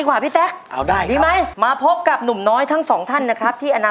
ความหมายของน้องอาจจะแบบว่า